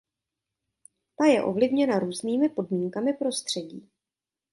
Ta je ovlivněna různými podmínkami prostředí.